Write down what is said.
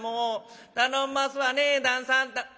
頼んますわねえ旦さん。